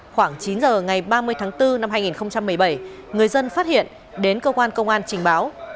khoảng chín giờ ngày ba mươi tháng bốn năm hai nghìn một mươi bảy người dân phát hiện đến cơ quan công an trình báo